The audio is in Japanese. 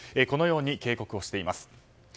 このように警告しています。